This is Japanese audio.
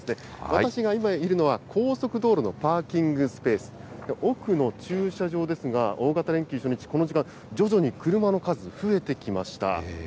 私が今いるのは、高速道路のパーキングスペース、奥の駐車場ですが、大型連休初日、この時間、徐々に車の数、増えてきました。